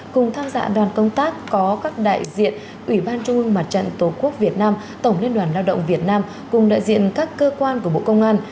cùng tham gia đoàn công tác có các đại diện ủy ban trung ương mặt trận tổ quốc việt nam tổng liên đoàn lao động việt nam cùng đại diện các cơ quan của bộ công an